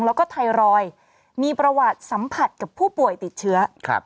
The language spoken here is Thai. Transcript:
แล้วก็ไทรอยด์มีประวัติสัมผัสกับผู้ป่วยติดเชื้อ